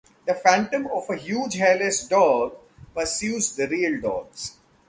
The phantom of a huge hairless dog pursues the real dogs.